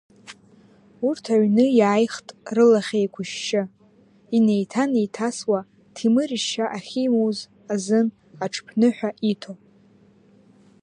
Урҭ аҩны иааихт рылахь еиқәышьшьы, инеиҭа-неиҭасуа Ҭемыр ишьа ахьимуз азын аҽԥныҳәа иҭо…